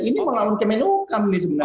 ini melawan sk menbo kam ini sebenarnya